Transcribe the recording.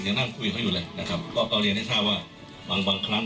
ยังนั่งคุยกับเขาอยู่เลยนะครับก็เรียนให้ทราบว่าบางบางครั้ง